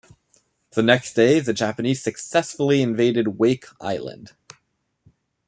The next day the Japanese successfully invaded Wake Island.